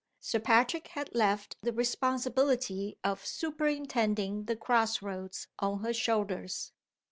Sir Patrick had left the responsibility of superintending the crossroads on her shoulders.